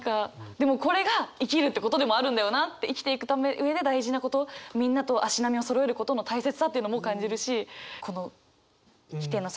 でもこれが生きるっていうことでもあるんだよなって生きていく上で大事なことみんなと足並みをそろえることの大切さというのも感じるし。というのがすごく印象的です。